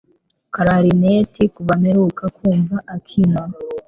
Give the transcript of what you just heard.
Clarinet kuva mperuka kumva akina